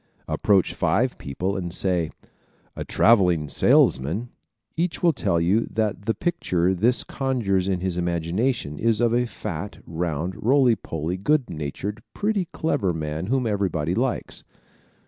Approach five people and say "A traveling salesman," each will tell you that the picture this conjures in his imagination is of a fat, round, roly poly, good natured, pretty clever man whom everybody likes.